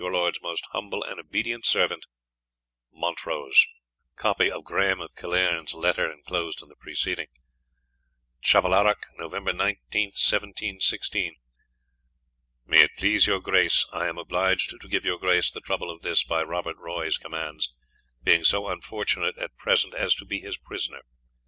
Lords most humble and obedient servant, "MONTROSE" COPY OF GRAHAME OF KILLEARN'S LETTER, ENCLOSED IN THE PRECEDING. "Chappellarroch, Nov. 19th, 1716. "May it please your Grace, I am obliged to give your Grace the trouble of this, by Robert Roy's commands, being so unfortunate at present as to be his prisoner.